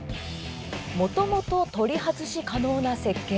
もともと取り外し可能な設計。